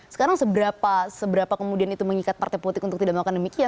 sekarang seberapa kemudian itu mengikat partai politik untuk tidak melakukan demikian